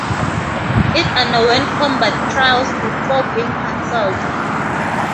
It underwent combat trials before being canceled.